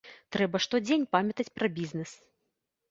Трэба штодзень памятаць пра бізнэс.